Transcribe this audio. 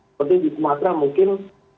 seperti di sumatera mungkin